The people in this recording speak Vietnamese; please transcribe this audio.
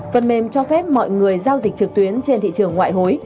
phần mềm cho phép mọi người giao dịch trực tuyến trên thị trường ngoại hối